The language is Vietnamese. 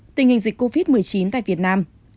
tình hình dịch covid một mươi chín tại việt nam